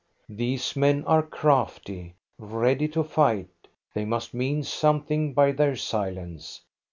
These men are crafty, ready to fight; they must mean something by their silence.